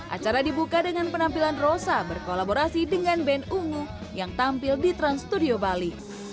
acara dibuka dengan penampilan rosa berkolaborasi dengan band ungu yang tampil di trans studio bali